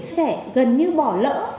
trẻ gần như bỏ lỡ